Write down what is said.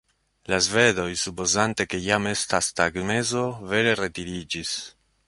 La svedoj, supozante ke jam estas tagmezo, vere retiriĝis.